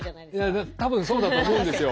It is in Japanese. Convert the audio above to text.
いや多分そうだと思うんですよ。